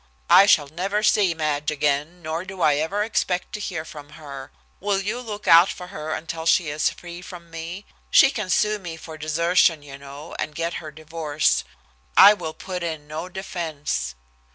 I shall never see Madge again, nor do I ever expect to hear from her. Will you look out for her until she is free from me? She can sue me for desertion, you know, and get her divorce. I will put in no defence.